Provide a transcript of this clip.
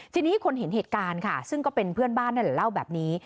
ทีนี้คนเห็นเหตุการณ์ค่ะซึ่งก็เป็นเพื่อนบ้านนั่นแหละเล่าแบบนี้